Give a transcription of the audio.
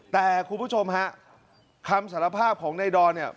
แต่คุณผู้ชมฮะคำสารภาพของนายดอนเนี่ย